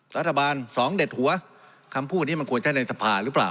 รัฐบาลสองเด็ดหัวคำพูดนี้มันควรใช้ในสภาหรือเปล่า